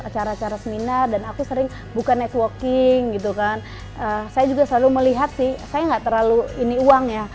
acara acara seminar dan aku sering bukan networking gitu kan saya juga selalu melihat sih saya nggak terlalu ini uang ya